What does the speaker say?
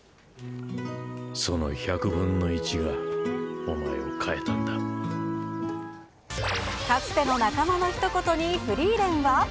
その１００分の１がお前を変かつての仲間のひと言に、フリーレンは。